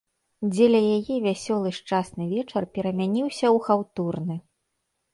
Дзеля яе вясёлы шчасны вечар перамяніўся ў хаўтурны.